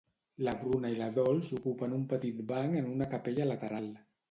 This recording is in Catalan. La Bruna i la Dols ocupen un petit banc en una capella lateral.